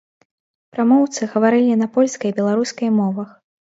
Прамоўцы гаварылі на польскай і беларускай мовах.